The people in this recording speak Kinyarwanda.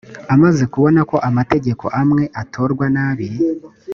amaze kubona ko amategeko amwe atorwa nabi